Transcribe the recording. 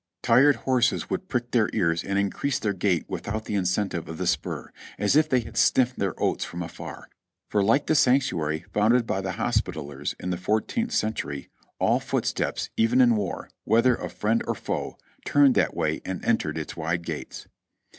Tired horses would prick their ears and increase their gait without the incentive of the spur, as if they had sniffed their oats from afar ; for like the sanctuary founded by the Hos pitallers in the fourteenth century, all footsteps, even in war, whether of friend or foe, turned that way and entered its wide gates.